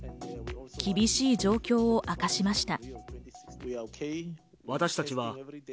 厳しい状況を明かしました。